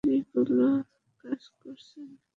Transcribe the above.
হিসকেড়িগুলো কাজ করছে না।